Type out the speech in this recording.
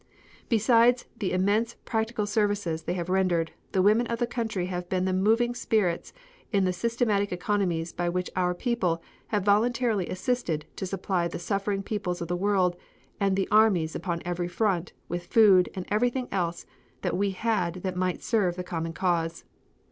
Besides the immense practical services they have rendered, the women of the country have been the moving spirits in the systematic economies by which our people have voluntarily assisted to supply the suffering peoples of the world and the armies upon every front with food and everything else that we had that might serve the common cause.